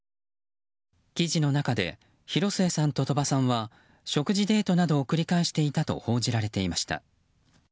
記事の中で広末さんと鳥羽さんは食事デートなどを繰り返していたと報じられていました。